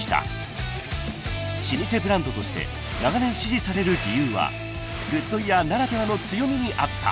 ［老舗ブランドとして長年支持される理由はグッドイヤーならではの強みにあった］